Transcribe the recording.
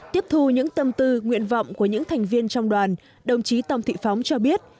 tiếp thu những tâm tư nguyện vọng của những thành viên trong đoàn đồng chí tòng thị phóng cho biết